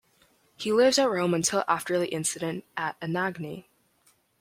He lived at Rome until after the incident at Anagni.